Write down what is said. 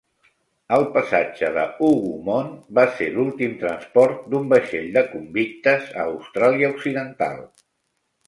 El passatge de "Hougoumont" va ser l'últim transport d'un vaixell de convictes a Austràlia Occidental.